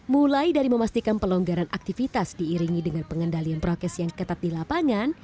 mulai dari memastikan pelonggaran aktivitas diiringi dengan pengendalian prokes yang ketat di lapangan